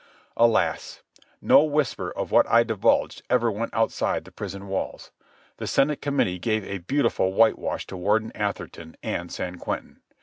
Alas! no whisper of what I divulged ever went outside the prison walls. The Senate Committee gave a beautiful whitewash to Warden Atherton and San Quentin.